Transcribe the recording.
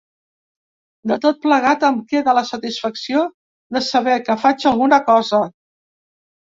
De tot plegat, em queda la satisfacció de saber que faig alguna cosa.